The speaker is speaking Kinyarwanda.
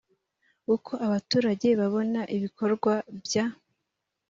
ii uko abaturage babona ibikorwa bya